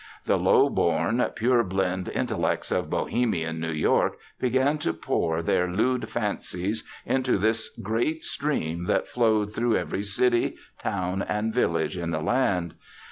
The low born, purblind intellects of Bohemian New York began to pour their lewd fancies into this great stream that flowed through every city, town and village in the land.